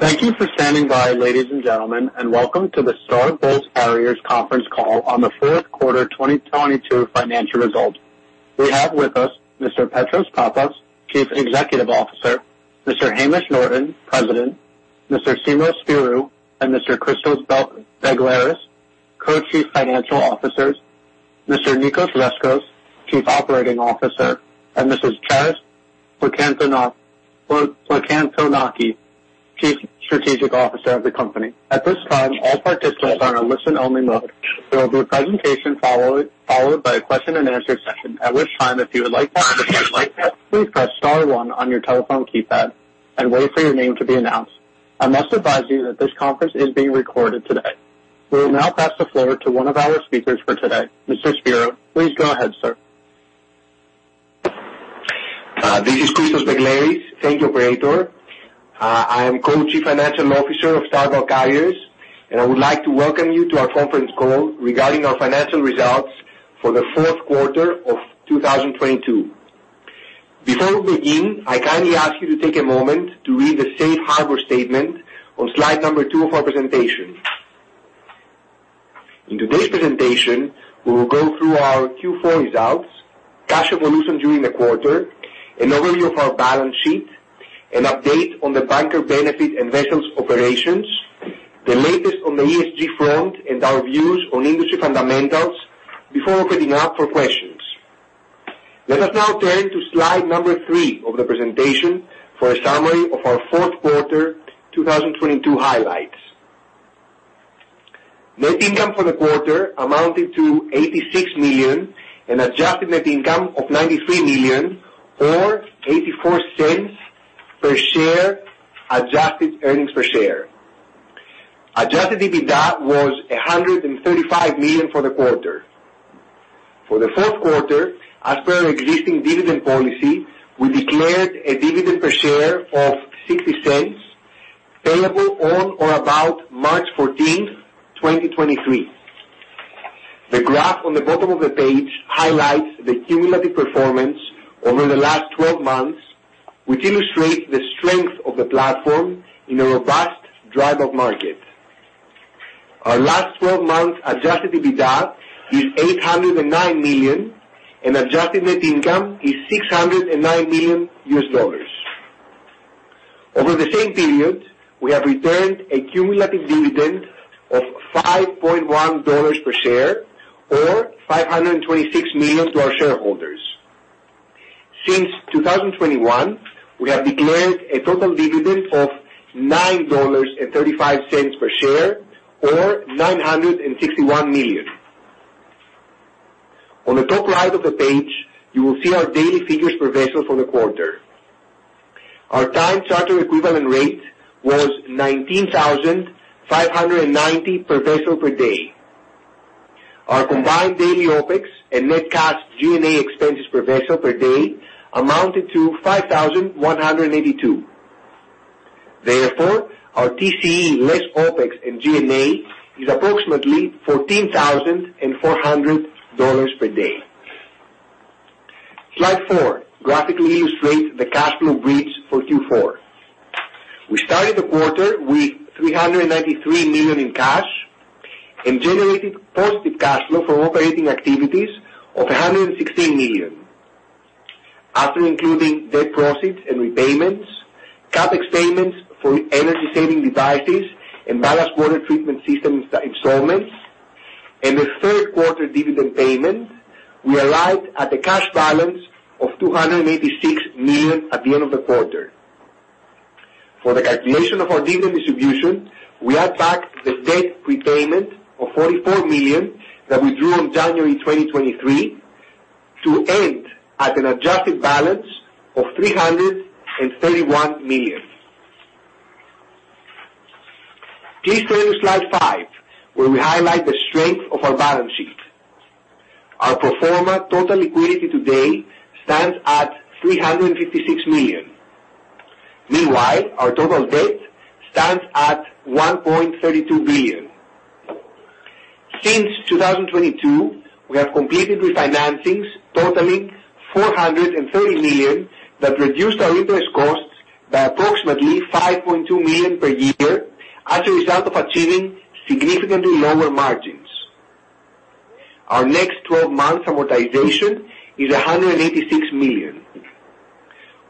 Thank you for standing by, ladies and gentlemen, and welcome to the Star Bulk Carriers conference call on the fourth quarter 2022 financial results. We have with us Mr. Petros Pappas, Chief Executive Officer, Mr. Hamish Norton, President, Mr. Simos Spyrou and Mr. Christos Begleris, Co-Chief Financial Officers, Mr. Nicos Rescos, Chief Operating Officer, and Mrs. Charis Plakantonaki, Chief Strategy Officer of the company. At this time, all participants are in a listen-only mode. There will be a presentation followed by a question and answer session, at which time, if you would like to ask a question, please press star one on your telephone keypad and wait for your name to be announced. I must advise you that this conference is being recorded today. We will now pass the floor to one of our speakers for today. Mr. Spyrou, please go ahead, sir. This is Christos Begleris. Thank you, operator. I am Co-Chief Financial Officer of Star Bulk Carriers, and I would like to welcome you to our conference call regarding our financial results for the fourth quarter of 2022. Before we begin, I kindly ask you to take a moment to read the Safe Harbor statement on slide number two of our presentation. In today's presentation, we will go through our Q4 results, cash evolution during the quarter, an overview of our balance sheet, an update on the banker benefit and vessels operations, the latest on the ESG front, and our views on industry fundamentals before opening up for questions. Let us now turn to slide number three of the presentation for a summary of our fourth quarter 2022 highlights. Net income for the quarter amounted to $86 million and adjusted net income of $93 million or $0.84 per share adjusted earnings per share. Adjusted EBITDA was $135 million for the quarter. For the fourth quarter, as per our existing dividend policy, we declared a dividend per share of $0.60 payable on or about March 14, 2023. The graph on the bottom of the page highlights the cumulative performance over the last 12 months, which illustrates the strength of the platform in a robust dry bulk market. Our last 12 months adjusted EBITDA is $809 million, and adjusted net income is $609 million U.S. dollars. Over the same period, we have returned a cumulative dividend of $5.1 per share or $526 million to our shareholders. Since 2021, we have declared a total dividend of $9.35 per share or $961 million. On the top right of the page, you will see our daily figures per vessel for the quarter. Our time charter equivalent rate was 19,590 per vessel per day. Our combined daily OpEx and net cash G&A expenses per vessel per day amounted to 5,182. Therefore, our TCE less OpEx and G&A is approximately $14,400 per day. Slide 4 graphically illustrates the cash flow bridge for Q4. We started the quarter with $393 million in cash and generated positive cash flow from operating activities of $116 million. After including debt proceeds and repayments, CapEx payments for energy saving devices and ballast water treatment system installments and the third quarter dividend payment, we arrived at a cash balance of $286 million at the end of the quarter. For the calculation of our dividend distribution, we add back the debt prepayment of $44 million that we drew on January 2023 to end at an adjusted balance of $331 million. Please turn to slide five, where we highlight the strength of our balance sheet. Our pro forma total liquidity today stands at $356 million. Meanwhile, our total debt stands at $1.32 billion. Since 2022, we have completed refinancings totaling $430 million that reduced our interest costs by approximately $5.2 million per year as a result of achieving significantly lower margins. Our next 12 months amortization is $186 million.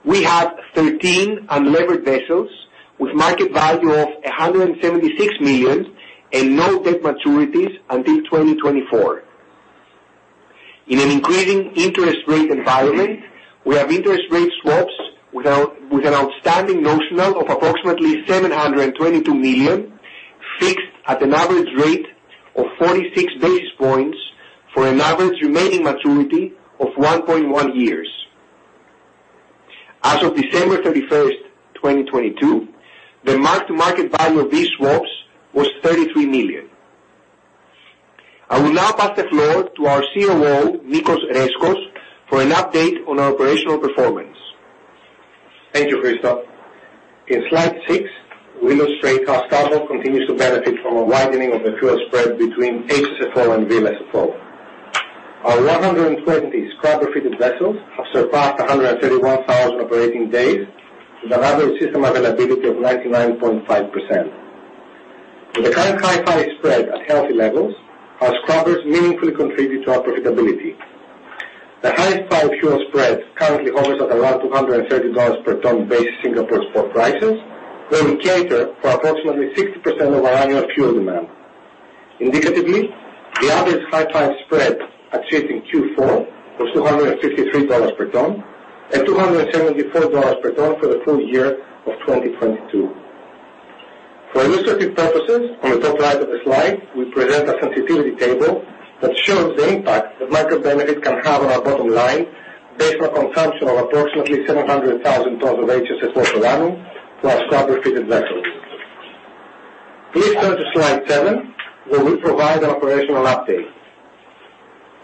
We have 13 unlevered vessels with market value of $176 million and no debt maturities until 2024. In an increasing interest rate environment, we have interest rate swaps with an outstanding notional of approximately $722 million fixed at an average rate of 46 basis points for an average remaining maturity of 1.1 years. As of December 31st, 2022, the mark-to-market value of these swaps was $33 million. I will now pass the floor to our COO, Nicos Reskos, for an update on our operational performance. Thank you, Christos. In slide six, we illustrate how Star Bulk continues to benefit from a widening of the fuel spread between HSFO and VLSFO. Our 120 scrubber-fitted vessels have surpassed 131,000 operating days with an average system availability of 99.5%. With the current high price spread at healthy levels, our scrubbers meaningfully contribute to our profitability. The Hi-5 fuel spread currently hovers at around $230 per ton based Singapore spot prices, where we cater for approximately 60% of our annual fuel demand. Indicatively, the average Hi-5 spread achieved in Q4 was $253 per ton and $274 per ton for the full year of 2022. For illustrative purposes, on the top right of the slide, we present a sensitivity table that shows the impact that micro benefit can have on our bottom line based on consumption of approximately 700,000 tons of HSFO for use in to our scrubber-fitted vessels. Please turn to slide seven, where we provide an operational update.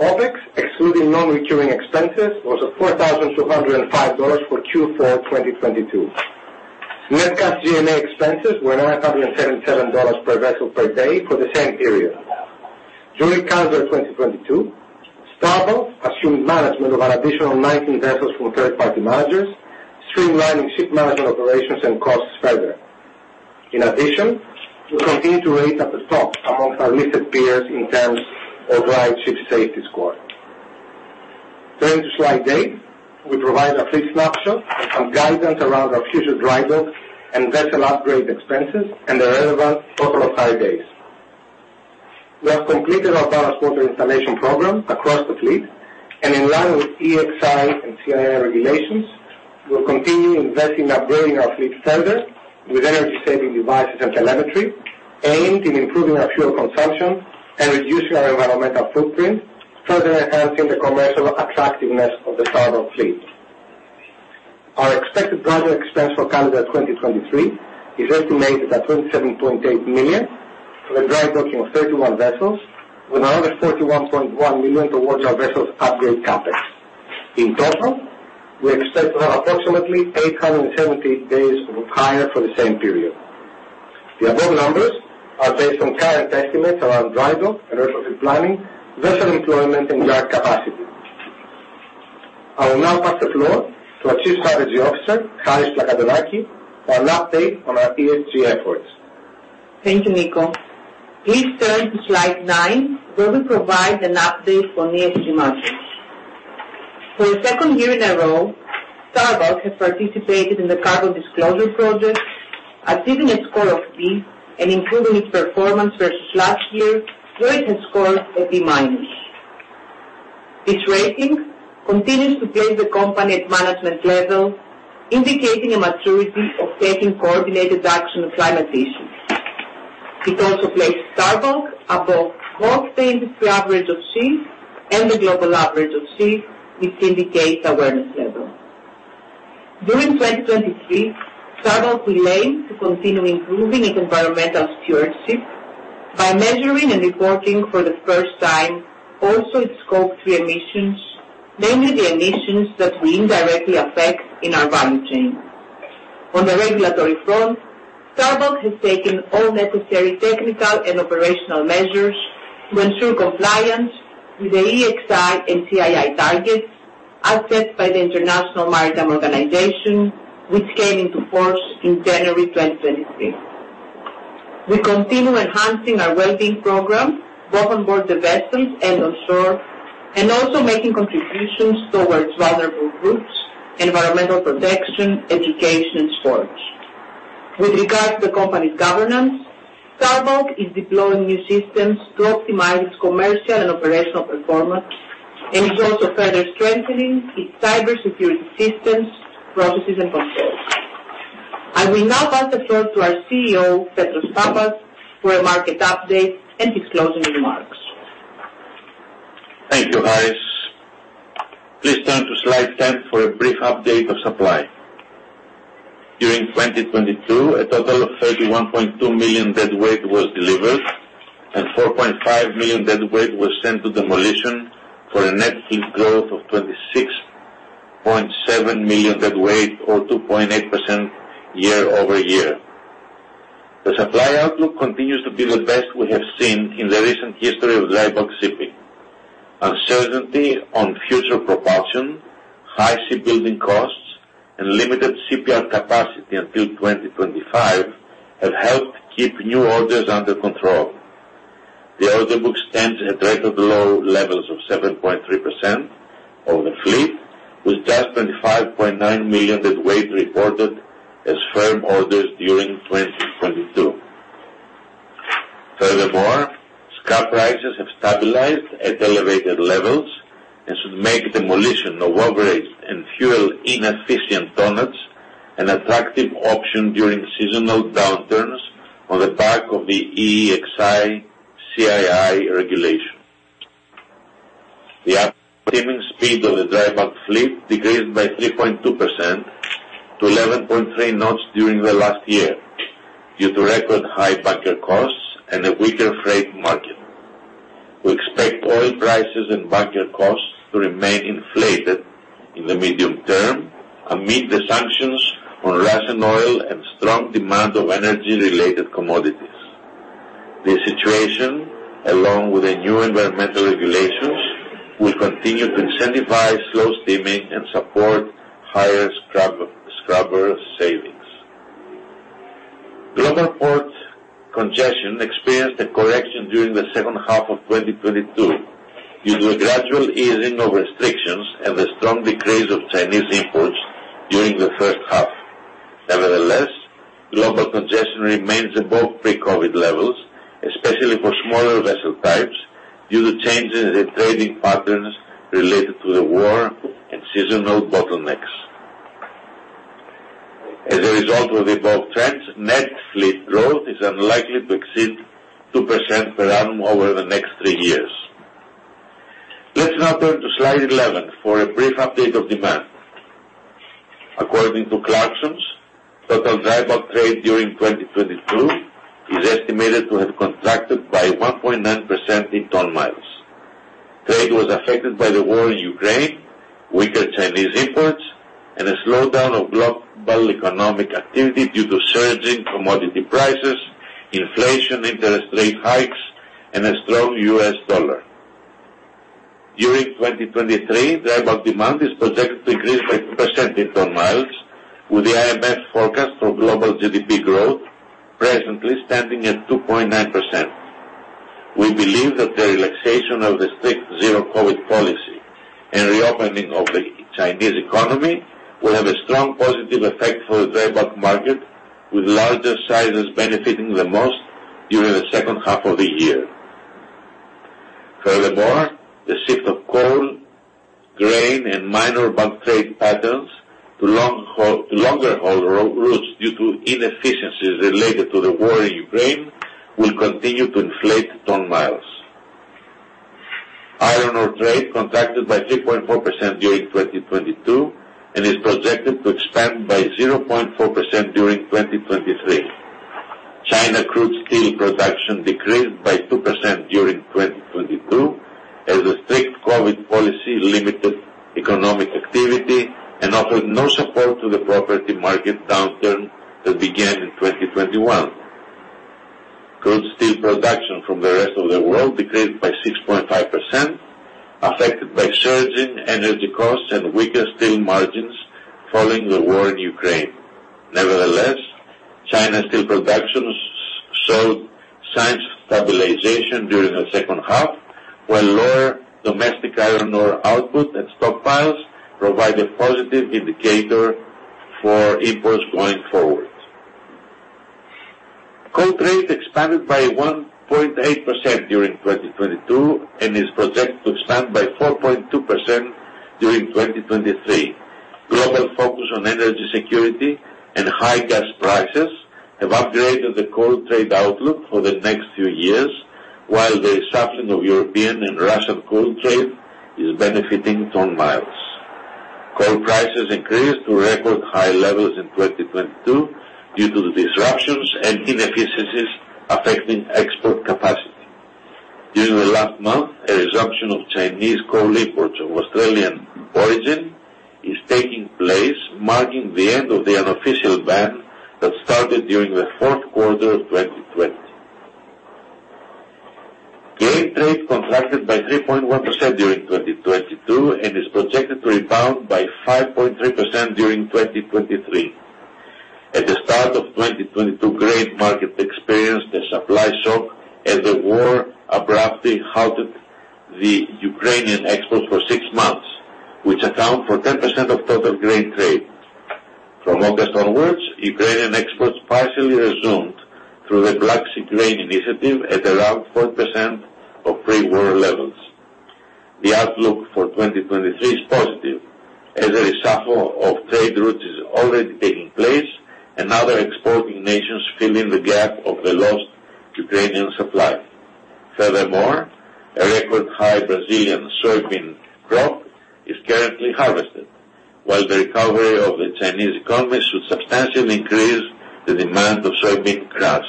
OpEx, excluding non-recurring expenses, was of $4,205 for Q4 2022. Net cash G&A expenses were $977 per vessel per day for the same period. During calendar 2022, Star Bulk assumed management of an additional 19 vessels from third-party managers, streamlining ship management operations and costs further. We continue to rate at the top amongst our listed peers in terms of RightShip safety score. Turning to slide eight, we provide a fleet snapshot and some guidance around our future dry docking and vessel upgrade expenses and the relevant total off-hire days. We have completed our ballast water installation program across the fleet, in line with EEXI and CII regulations, we will continue investing in upgrading our fleet further with energy-saving devices and telemetry aimed in improving our fuel consumption and reducing our environmental footprint, further enhancing the commercial attractiveness of the Star Bulk fleet. Our expected dry docking expense for calendar 2023 is estimated at $27.8 million for the dry docking of 31 vessels, with another $41.1 million towards our vessels upgrade CapEx. In total, we expect approximately 870 days of hire for the same period. The above numbers are based on current estimates around dry dock and retrofit planning, vessel employment and yard capacity. I will now pass the floor to our Chief Strategy Officer, Charis Plakantonaki, for an update on our ESG efforts. Thank you, Nicos. Please turn to slide nine, where we provide an update on ESG matters. For the second year in a row, Star Bulk has participated in the Carbon Disclosure Project, achieving a score of B and improving its performance versus last year, where it had scored a B minus. This rating continues to place the company at management level, indicating a maturity of taking coordinated action on climate issues. It also places Star Bulk above both the industry average of Cs and the global average of Cs, which indicates awareness level. During 2023, Star Bulk will aim to continue improving its environmental stewardship by measuring and reporting for the first time also its Scope 3 emissions, namely the emissions that we indirectly affect in our value chain. On the regulatory front, Star Bulk has taken all necessary technical and operational measures to ensure compliance with the EEXI and CII targets as set by the International Maritime Organization, which came into force in January 2023. We continue enhancing our well-being program, both on board the vessels and on shore, and also making contributions towards vulnerable groups, environmental protection, education and sports. With regards to the company's governance, Star Bulk is deploying new systems to optimize its commercial and operational performance, and is also further strengthening its cybersecurity systems, processes and controls. I will now pass the floor to our CEO, Petros Pappas, for a market update and his closing remarks. Thank you, Charis. Please turn to slide 10 for a brief update of supply. During 2022, a total of 31.2 million dead weight was delivered, and 4.5 million dead weight was sent to demolition, for a net fleet growth of 26.7 million dead weight or 2.8% year-over-year. The supply outlook continues to be the best we have seen in the recent history of dry bulk shipping. Uncertainty on future propulsion, high shipbuilding costs and limited CPR capacity until 2025 have helped keep new orders under control. The order book stands at record low levels of 7.3% of the fleet, with just 25.9 million dead weight reported as firm orders during 2022. Furthermore, scrap prices have stabilized at elevated levels and should make demolition of overage and fuel-inefficient tonnages an attractive option during seasonal downturns on the back of the EEXI-CII regulation. The average steaming speed of the dry bulk fleet decreased by 3.2% to 11.3 knots during the last year due to record high bunker costs and a weaker freight market. We expect oil prices and bunker costs to remain inflated in the medium term amid the sanctions on Russian oil and strong demand of energy-related commodities. The situation, along with the new environmental regulations, will continue to incentivize slow steaming and support higher scrubber savings. Global port congestion experienced a correction during the second half of 2022 due to a gradual easing of restrictions and the strong decrease of Chinese imports during the first half. Global congestion remains above pre-COVID levels, especially for smaller vessel types, due to changes in trading patterns related to the war and seasonal bottlenecks. As a result of the above trends, net fleet growth is unlikely to exceed 2% per annum over the next three years. Let's now turn to slide 11 for a brief update of demand. According to Clarksons, total dry bulk trade during 2022 is estimated to have contracted by 1.9% in ton-miles. Trade was affected by the war in Ukraine, weaker Chinese imports, and a slowdown of global economic activity due to surging commodity prices, inflation, interest rate hikes, and a strong US dollar. During 2023, dry bulk demand is projected to increase by 2% in ton-miles, with the IMF forecast for global GDP growth presently standing at 2.9%. We believe that the relaxation of the strict zero-COVID policy and reopening of the Chinese economy will have a strong positive effect for the dry bulk market, with larger sizes benefiting the most during the second half of the year. Furthermore, the shift of coal, grain, and minor bulk trade patterns to longer haul routes due to inefficiencies related to the war in Ukraine will continue to inflate ton-miles. Iron ore trade contracted by 3.4% during 2022 and is projected to expand by 0.4% during 2023. China crude steel production decreased by 2% during 2022 as the strict COVID policy limited economic activity and offered no support to the property market downturn that began in 2021. Crude steel production from the rest of the world decreased by 6.5%, affected by surging energy costs and weaker steel margins following the war in Ukraine. Nevertheless, China steel production showed signs of stabilization during the second half, while lower domestic iron ore output and stockpiles provide a positive indicator for imports going forward. Coal trade expanded by 1.8% during 2022 and is projected to expand by 4.2% during 2023. Global focus on energy security and high gas prices have upgraded the coal trade outlook for the next few years, while the resumption of European and Russian coal trade is benefiting ton-miles. Coal prices increased to record high levels in 2022 due to the disruptions and inefficiencies affecting export capacity. During the last month, a resumption of Chinese coal imports of Australian origin is taking place, marking the end of the unofficial ban that started during the fourth quarter of 2020. Grain trade contracted by 3.1% during 2022 and is projected to rebound by 5.3% during 2023. At the start of 2022, grain market experienced a supply shock as the war abruptly halted the Ukrainian exports for 6 months, which account for 10% of total grain trade. From August onwards, Ukrainian exports partially resumed through the Black Sea Grain Initiative at around 4% of pre-war levels. The outlook for 2023 is positive as a reshuffle of trade routes is already taking place and other exporting nations filling the gap of the lost Ukrainian supply. Furthermore, a record high Brazilian soybean crop is currently harvested, while the recovery of the Chinese economy should substantially increase the demand of soybean crush.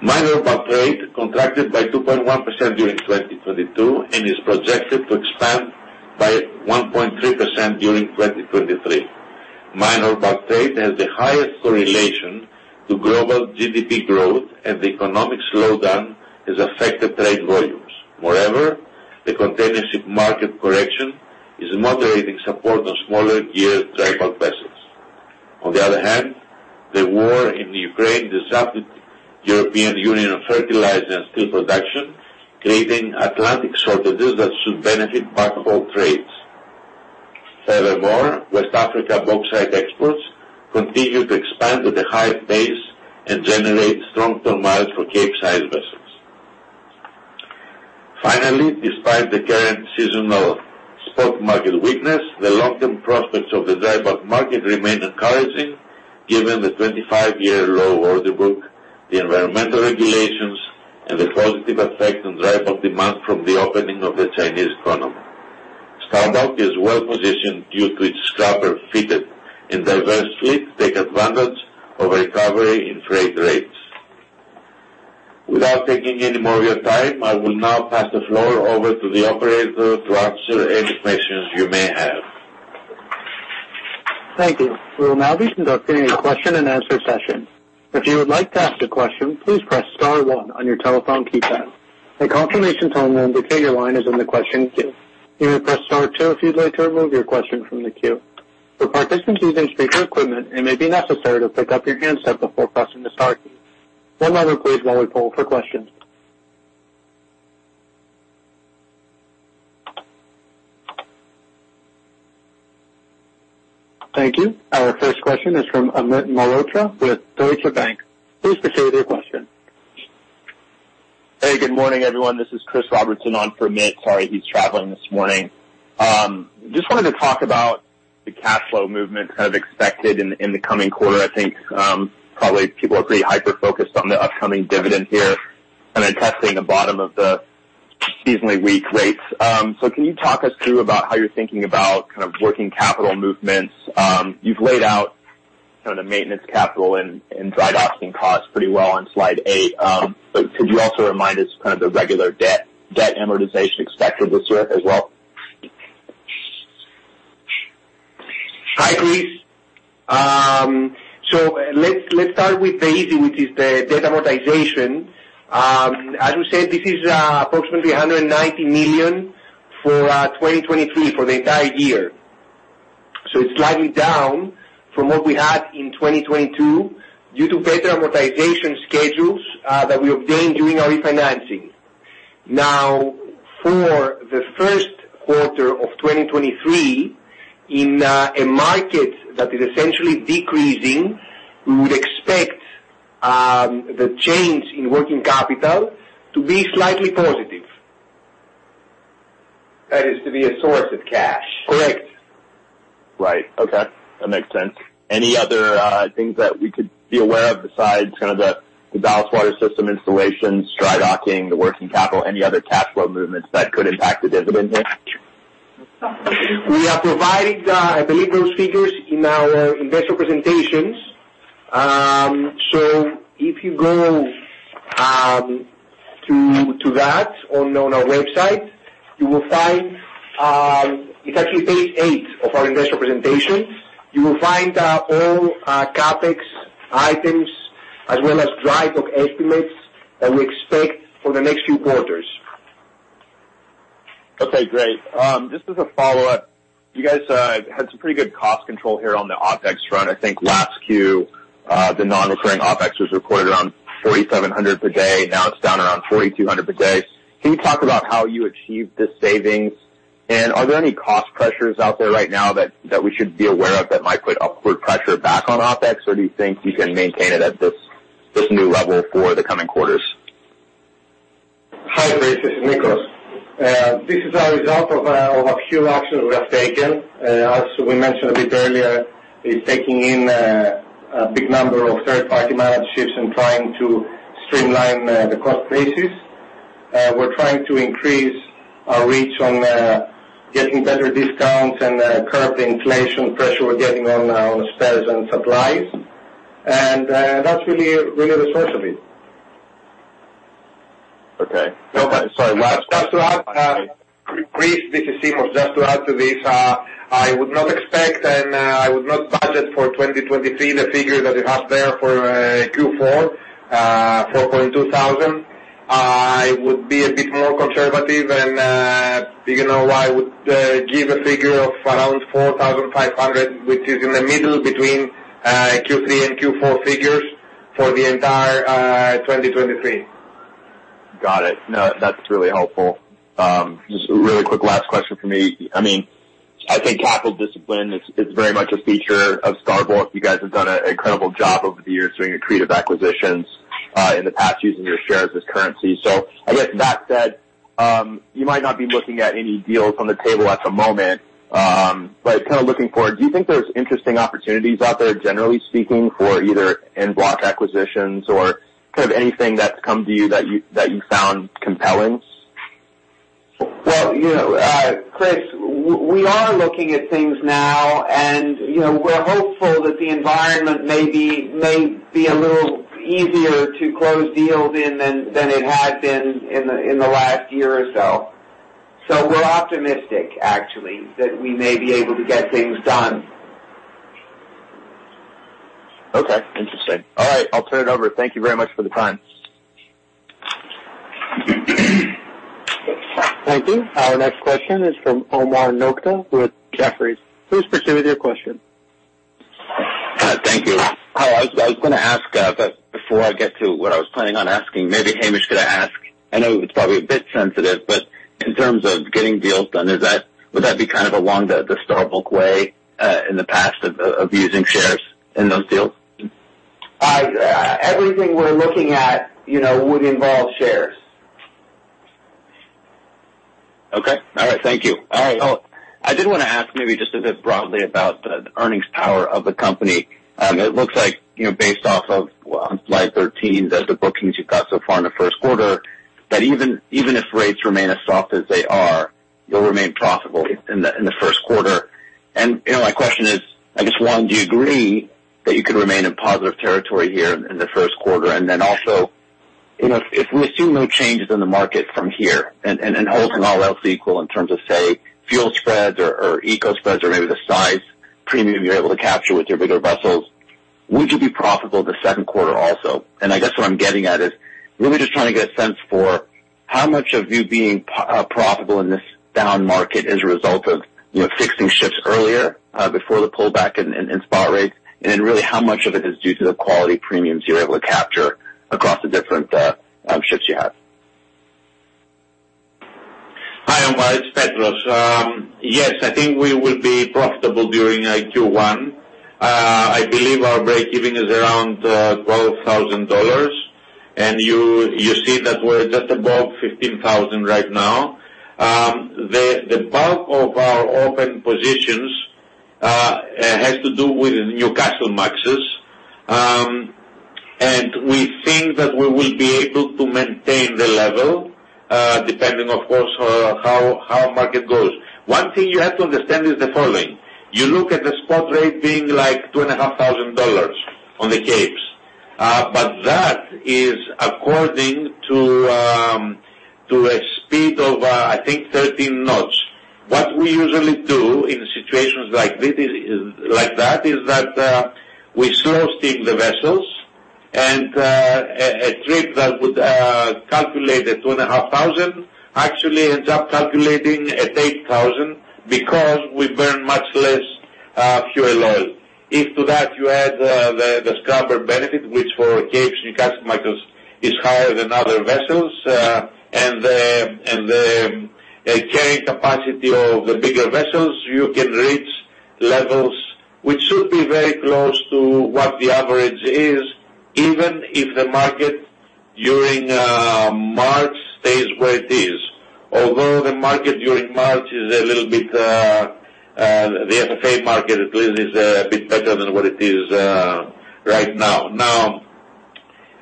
Minor bulk trade contracted by 2.1% during 2022 and is projected to expand by 1.3% during 2023. Minor bulk trade has the highest correlation to global GDP growth, and the economic slowdown has affected trade volumes. Moreover, the containership market correction is moderating support on smaller geared dry bulk vessels. The war in Ukraine disrupted European Union fertilizer and steel production, creating Atlantic shortages that should benefit bulk coal trades. West Africa bauxite exports continue to expand at a high pace and generate strong ton-miles for Capesize vessels. Despite the current seasonal spot market weakness, the long-term prospects of the dry bulk market remain encouraging given the 25-year low order book, the environmental regulations, and the positive effect on dry bulk demand from the opening of the Chinese economy. Star Bulk is well-positioned due to its scrubber-fitted and diverse fleet take advantage of a recovery in freight rates. Without taking any more of your time, I will now pass the floor over to the operator to answer any questions you may have. Thank you. We will now be conducting a question-and-answer session. If you would like to ask a question, please press star one on your telephone keypad. A confirmation tone will indicate your line is in the question queue. You may press star two if you'd like to remove your question from the queue. For participants using speaker equipment, it may be necessary to pick up your handset before pressing the star key. One moment, please, while we poll for questions. Thank you. Our first question is from Amit Malhotra with Deutsche Bank. Please proceed with your question. Hey, good morning, everyone. This is Chris Wetherbee on for Amit. Sorry, he's traveling this morning. Just wanted to talk about the cash flow movement kind of expected in the coming quarter. I think, probably people are pretty hyper-focused on the upcoming dividend here and then testing the bottom of the seasonally weak rates. Can you talk us through about how you're thinking about kind of working capital movements? You've laid out kind of the maintenance capital and drydocking costs pretty well on slide eight. Could you also remind us kind of the regular debt amortization expected this year as well? Hi, Chris. let's start with the easy, which is the debt amortization. As we said, this is approximately $190 million for 2023 for the entire year. It's slightly down from what we had in 2022 due to better amortization schedules that we obtained during our refinancing. For the first quarter of 2023, in a market that is essentially decreasing, we would expect the change in working capital to be slightly positive. That is to be a source of cash. Correct. Right. Okay, that makes sense. Any other things that we could be aware of besides kind of the ballast water system installations, drydocking, the working capital, any other cash flow movements that could impact the dividend here? We have provided, I believe, those figures in our investor presentations. If you go to that on our website, you will find. It's actually page eight of our investor presentation. You will find all CapEx items as well as drydock estimates that we expect for the next few quarters. Okay, great. Just as a follow-up, you guys had some pretty good cost control here on the OpEx front. I think last Q, the non-recurring OpEx was recorded around 4,700 per day, now it's down around 4,200 per day. Can you talk about how you achieved this savings? Are there any cost pressures out there right now that we should be aware of that might put upward pressure back on OpEx? Do you think you can maintain it at this new level for the coming quarters? Hi, Chris. This is Nicos. This is a result of a few actions we have taken. As we mentioned a bit earlier, is taking in a big number of third-party managed ships and trying to streamline the cost basis. We're trying to increase our reach on getting better discounts and curb the inflation pressure we're getting on spares and supplies. That's really the source of it. Okay. No, sorry, last question Chris, this is Simos. Just to add to this, I would not expect and I would not budget for 2023 the figure that you have there for Q4, $4,200. I would be a bit more conservative and, you know, I would give a figure of around $4,500, which is in the middle between Q3 and Q4 figures for the entire 2023. Got it. No, that's really helpful. Just really quick last question from me. I mean, I think capital discipline is very much a feature of Star Bulk. You guys have done an incredible job over the years doing accretive acquisitions in the past using your shares as currency. I guess with that said, you might not be looking at any deals on the table at the moment. Kind of looking forward, do you think there's interesting opportunities out there, generally speaking, for either en bloc acquisitions or kind of anything that's come to you that you found compelling? Well, you know, Chris, we are looking at things now. You know, we're hopeful that the environment may be a little easier to close deals in than it had been in the last year or so. We're optimistic actually, that we may be able to get things done. Okay. Interesting. All right, I'll turn it over. Thank you very much for the time. Thank you. Our next question is from Omar Nokta with Jefferies. Please proceed with your question. Thank you. Hi, I was gonna ask. Before I get to what I was planning on asking, maybe Hamish, could I ask, I know it's probably a bit sensitive, but in terms of getting deals done, would that be kind of along the Star Bulk way, in the past of using shares in those deals? Everything we're looking at, you know, would involve shares. Okay. All right. Thank you. All right. I did wanna ask maybe just a bit broadly about the earnings power of the company. It looks like, you know, based off of slide 13 as the bookings you've got so far in the first quarter, that even if rates remain as soft as they are, you'll remain profitable in the first quarter. You know, my question is, I guess one, do you agree that you can remain in positive territory here in the first quarter? Then also, you know, if we assume no changes in the market from here and holding all else equal in terms of, say, fuel spreads or eco spreads or maybe the size premium you're able to capture with your bigger vessels, would you be profitable the second quarter also? I guess what I'm getting at is really just trying to get a sense for how much of you being profitable in this down market is a result of, you know, fixing ships earlier, before the pullback in spot rates, and then really how much of it is due to the quality premiums you're able to capture across the different ships you have? Hi, Omar, it's Petros. Yes, I think we will be profitable during Q1. I believe our breakeven is around $12,000, and you see that we're just above $15,000 right now. The bulk of our open positions has to do with Newcastlemaxes. We think that we will be able to maintain the level, depending, of course, on how our market goes. One thing you have to understand is the following. You look at the spot rate being like 2 and a half thousand dollars on the Capesize. That is according to a speed of 13 knots. What we usually do in situations like this is like that, is that we slow steam the vessels and a trip that would calculate at 2,500 actually ends up calculating at 8,000 because we burn much less fuel oil. If to that you add the scrubber benefit, which for Capes and Newcastlemaxes is higher than other vessels, and the carrying capacity of the bigger vessels, you can reach levels which should be very close to what the average is, even if the market during March stays where it is. Although the market during March is a little bit, the FFA market at least is a bit better than what it is right now.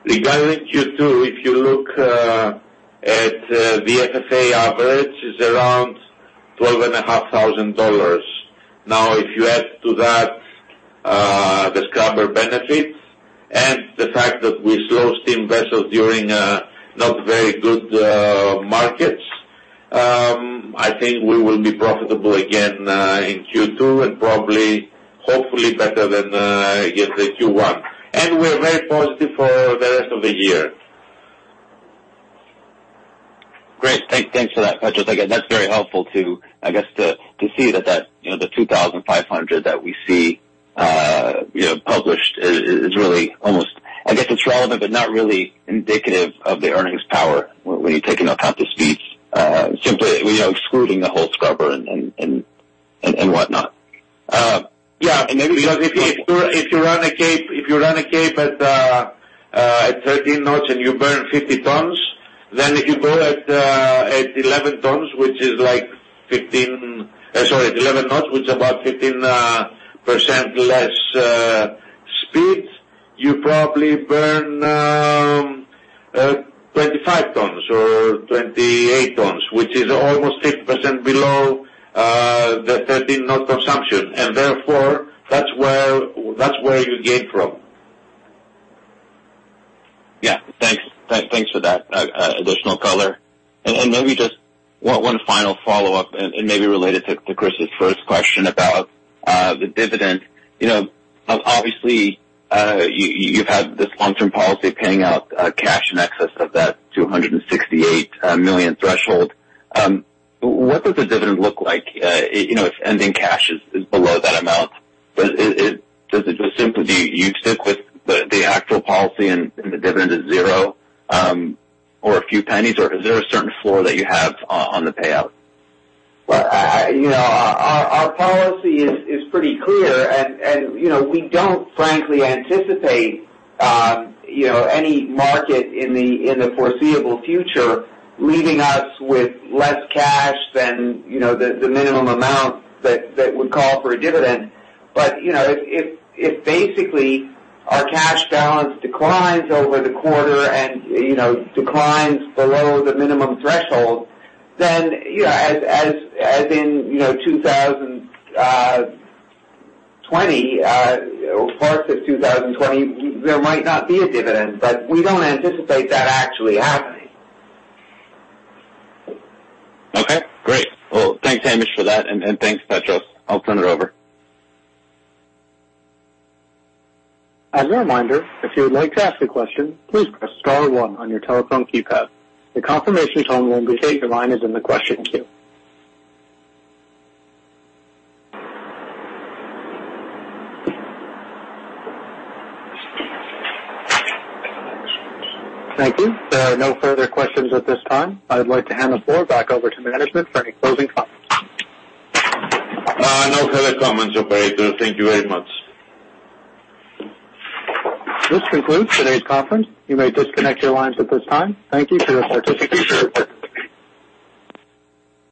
Regarding Q2, if you look at the FFA average is around $12,500. If you add to that the scrubber benefits and the fact that we slow steam vessels during not very good markets, I think we will be profitable again in Q2 and probably hopefully better than I guess the Q1. We're very positive for the rest of the year. Great. Thanks for that, Petros. Again, that's very helpful to, I guess, to see that, you know, the 2,500 that we see, you know, published is really almost I guess it's relevant but not really indicative of the earnings power when you take into account the speeds, simply, you know, excluding the whole scrubber and whatnot. Yeah. Because if you run a Cape at 13 knots and you burn 50 tons, then if you go at 11 tons, which is like 15... Sorry, it's 11 knots, which is about 15% less speed, you probably burn 25 tons or 28 tons, which is almost 50% below the 13 knot consumption. Therefore, that's where you gain from. Yeah, thanks. Thanks for that additional color. And let me just one final follow-up and maybe related to Chris's first question about the dividend. You know, obviously, you've had this long-term policy of paying out cash in excess of that $268 million threshold. What does the dividend look like, you know, if ending cash is below that amount? Does it just simply do you stick with the actual policy and the dividend is zero, or a few pennies, or is there a certain floor that you have on the payout? Well, you know, our policy is pretty clear and, you know, we don't frankly anticipate, you know, any market in the foreseeable future leaving us with less cash than, you know, the minimum amount that would call for a dividend. If, you know, if basically our cash balance declines over the quarter and, you know, declines below the minimum threshold, then, you know, as in, you know, 2020, or parts of 2020, there might not be a dividend. We don't anticipate that actually happening. Okay, great. Well, thanks, Hamish for that and thanks, Petros. I'll turn it over. As a reminder, if you would like to ask a question, please press star one on your telephone keypad. The confirmation tone will indicate your line is in the question queue. Thank you. There are no further questions at this time. I would like to hand the floor back over to management for any closing comments. No further comments, operator. Thank you very much. This concludes today's conference. You may disconnect your lines at this time. Thank you for your participation.